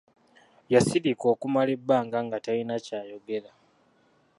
Yasirika okumala ebbanga nga talina kyayogera!